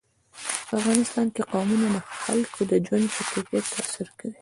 په افغانستان کې قومونه د خلکو د ژوند په کیفیت تاثیر کوي.